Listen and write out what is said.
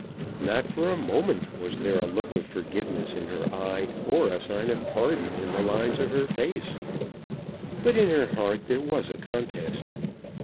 Not for a moment was there a look of forgiveness in her eye, or a sign of pardon in the lines of her face. But in her heart there was a contest.